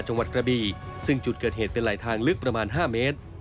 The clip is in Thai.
จังหวัดกระบีซึ่งจุดเกิดเหตุเป็นไหลทางลึกประมาณ๕เมตร